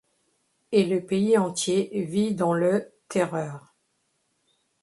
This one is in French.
Et le pays entier vit dans le terreur.